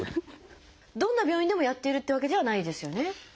どんな病院でもやっているってわけじゃないですよね？